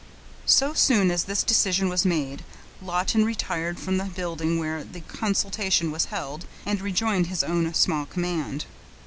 So soon as this decision was made, Lawton retired from the building where the consultation was held, and rejoined his own small command.